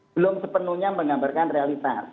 belum sepenuhnya menggambarkan realitas